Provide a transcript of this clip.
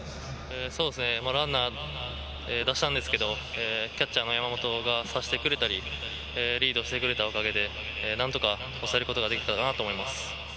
ランナーを出したんですけど、キャッチャーの山本が刺してくれたり、リードしてくれたおかげで何とか勝てることができたと思います。